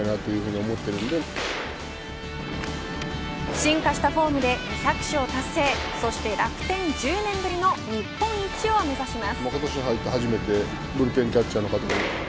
進化したフォームで２００勝を達成そして楽天１０年ぶりの日本一を目指します。